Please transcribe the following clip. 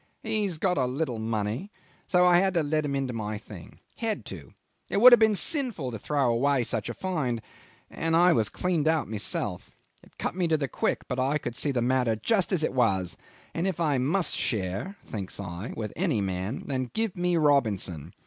"He's got a little money, so I had to let him into my thing. Had to! It would have been sinful to throw away such a find, and I was cleaned out myself. It cut me to the quick, but I could see the matter just as it was, and if I must share thinks I with any man, then give me Robinson.